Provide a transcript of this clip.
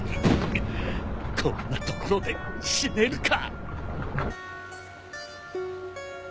こんな所で死ねるか。